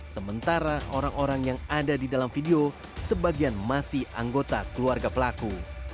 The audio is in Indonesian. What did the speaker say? sementara orang orang yang ada di dalam video sebagian masih anggota keluarga pelaku